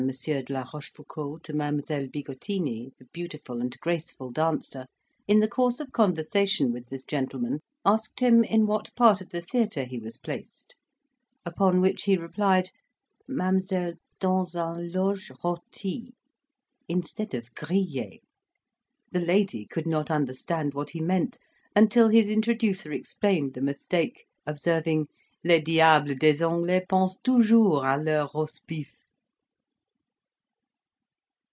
de la Rochefoucauld to Mademoiselle Bigottini, the beautiful and graceful dancer, in the course of conversation with this gentleman, asked him in what part of the theatre he was placed; upon which he replied, "Mademoiselle, dans un loge rotie," instead of "grillee." The lady could not understand what he meant, until his introducer explained the mistake, observing, "Les diables des Anglais pensent toujours a leur Rosbif."